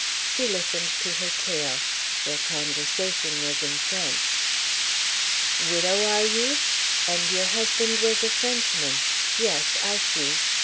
He listened to her tale. Their conversation was in French. "Widow, are you? And your husband was a Frenchman: yes, I see.